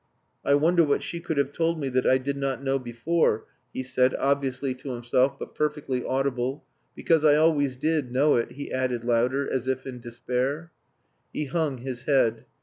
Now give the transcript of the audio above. "I wonder what she could have told me that I did not know before," he said, obviously to himself, but perfectly audible. "Because I always did know it," he added louder, as if in despair. He hung his head.